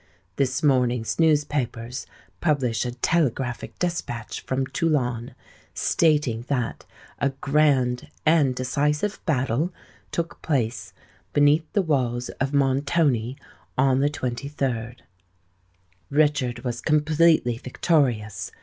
This morning's newspapers publish a Telegraphic Despatch from Toulon, stating that a grand and decisive battle took place beneath the walls of Montoni on the 23d. Richard was completely victorious.